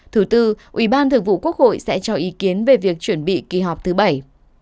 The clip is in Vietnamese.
thứ tư ủy ban thường vụ quốc hội sẽ cho ý kiến về việc chuẩn bị kỳ họp thứ bảy